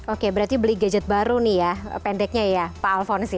oke berarti beli gadget baru nih ya pendeknya ya pak alfons ya